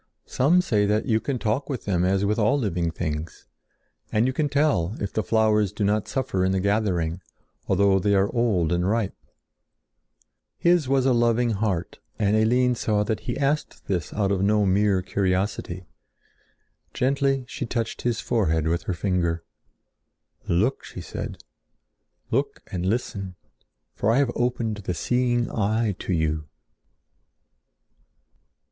"Some say that you can talk with them as with all living things, and you can tell if the flowers do not suffer in the gathering, although they are old and ripe." His was a loving heart and Eline saw that he asked this out of no mere curiosity. Gently she touched his forehead with her finger. "Look!" she said. "Look and listen, for I have opened the seeing eye to you."